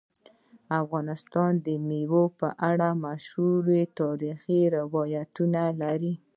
افغانستان د مېوې په اړه مشهور تاریخی روایتونه لري.